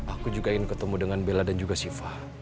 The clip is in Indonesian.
aku juga ingin ketemu dengan bella dan juga siva